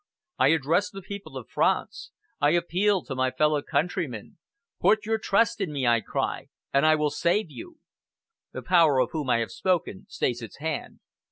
I address the people of France; I appeal to my fellow countrymen. 'Put your trust in me,' I cry, 'and I will save you.' The Power of whom I have spoken stays its hand.